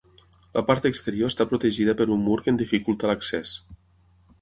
La part exterior està protegida per un mur que en dificulta l'accés.